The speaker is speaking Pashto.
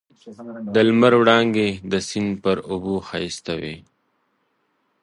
د لمر وړانګې د سیند پر اوبو ښایسته وې.